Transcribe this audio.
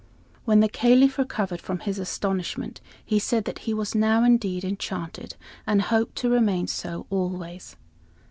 When the Caliph recovered from his astonishment he said that he was now, indeed, enchanted and hoped to remain so always.